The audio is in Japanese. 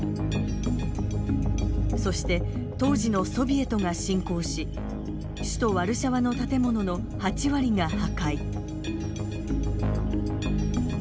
そして当時のソビエトが侵攻し首都ワルシャワの建物の８割が破壊。